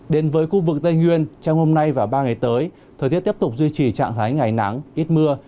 đến với khu vực tây nguyên trong hôm nay và ba ngày tới thời tiết tiếp tục duy trì trạng thái ngày nắng ít mưa